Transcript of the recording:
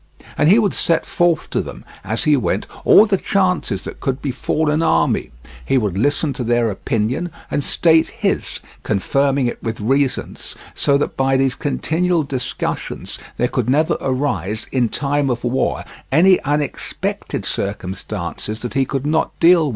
And he would set forth to them, as he went, all the chances that could befall an army; he would listen to their opinion and state his, confirming it with reasons, so that by these continual discussions there could never arise, in time of war, any unexpected circumstances that he could not deal with.